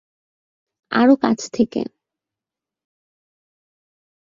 আরও কাছ থেকে।